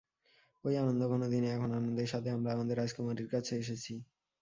ঐ আনন্দঘন দিনে এখন আনন্দের সাথে আমরা আমাদের রাজকুমারীর কাছে এসেছি।